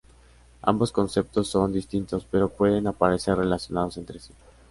Ambos conceptos son distintos, pero pueden aparecer relacionados entre sí.